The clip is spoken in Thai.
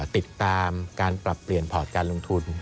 ติดตามการปรับเปลี่ยนพอร์ตการลงทุน